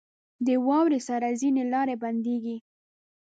• د واورې سره ځینې لارې بندېږي.